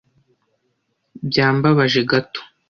Byambabaje gato.